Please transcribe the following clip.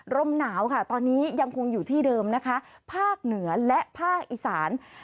ลมหนาวค่ะตอนนี้ยังคงอยู่ที่เดิมนะคะภาคเหนือและภาคอีสาน